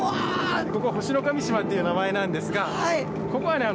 ここは「星神島」っていう名前なんですがここはね